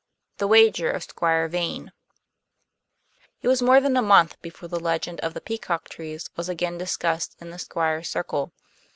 THE WAGER OF SQUIRE VANE It was more than a month before the legend of the peacock trees was again discussed in the Squire's circle.